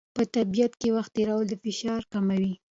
په طبیعت کې وخت تېرول د فشار کموي.